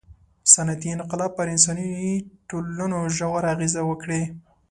• صنعتي انقلاب پر انساني ټولنو ژورې اغېزې وکړې.